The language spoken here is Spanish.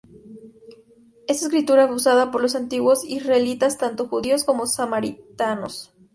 Esta escritura fue usada por los antiguos israelitas, tanto judíos como samaritanos.